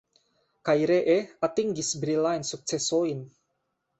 Kaj ree atingis brilajn sukcesojn.